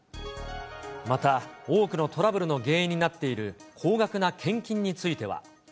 また多くのトラブルの原因になっている高額な献金については。